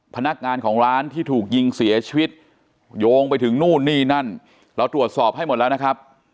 พนักงานของร้านที่ถูกยิงเสียชีวิตโยงไปถึงนู่นนี่นั่นเราตรวจสอบให้หมดแล้วนะครับ